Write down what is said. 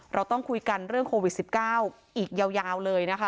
เราต้องคุยกันเรื่องโควิด๑๙อีกยาวเลยนะคะ